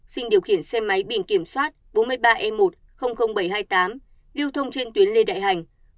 sinh điều khiển xe máy biển kiểm soát bốn mươi ba e một bảy trăm hai mươi tám lưu thông trên tuyến lê đại hành